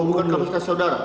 oh bukan kapasitas saudara